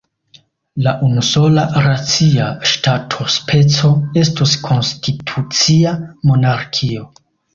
La unusola racia ŝtatospeco estus konstitucia monarkio.